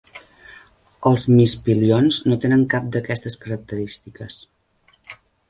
Els "Mispillions" no tenen cap d'aquestes característiques.